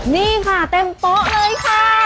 นี่ค่ะเต็มโต๊ะเลยค่ะ